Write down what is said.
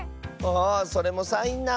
あそれもサインなんだ。